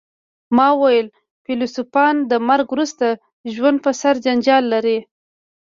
ما وویل فیلسوفان د مرګ وروسته ژوند په سر جنجال لري